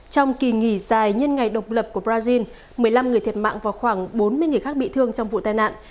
trong kỳ nghỉ dài nhân ngày độc lập của brazil một mươi năm người thiệt mạng và khoảng bốn mươi người khác bị thương trong vụ tai nạn